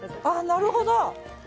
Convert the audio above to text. なるほど！